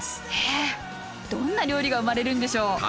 へえどんな料理が生まれるんでしょう。